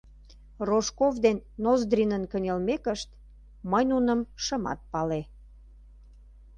Рожков ден Ноздринын кынелмекышт, мый нуным шымат пале.